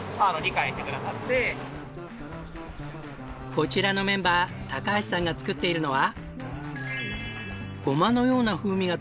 こちらのメンバー高橋さんが作っているのは。